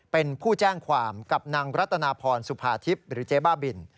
เป็นผู้แจ้งความกับนางรัตนาพรสุภาทิพย์หรือเจ๊บ้าบิน